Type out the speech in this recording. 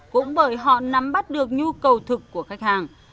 cũng bởi họ nắm bắt được nhu cầu thực của khách hàng